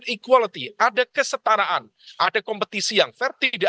dengan keinginan ada kesetaraan ada kompetisi yang vertida